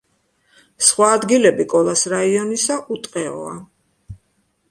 სხვა ადგილები კოლას რაიონისა უტყეოა.